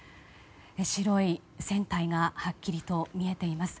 白い船体がはっきりと見えています。